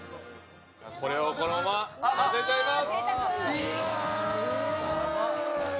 これをこのまま、乗せちゃいます。